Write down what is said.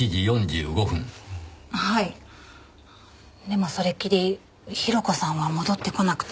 でもそれっきり広子さんは戻ってこなくて。